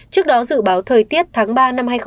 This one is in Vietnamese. trước đó dự báo thời tiết tháng ba năm hai nghìn hai mươi